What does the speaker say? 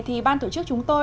thì ban tổ chức chúng tôi